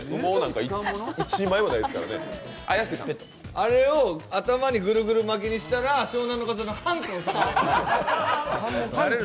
あれを頭にぐるぐる巻きにしたら湘南乃風になれる。